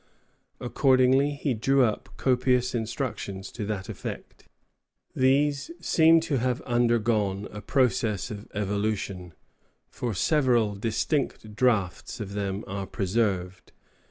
Accordingly, he drew up copious instructions to that effect. These seem to have undergone a process of evolution, for several distinct drafts of them are preserved.